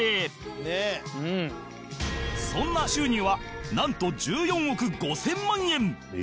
そんな収入はなんと１４億５０００万円！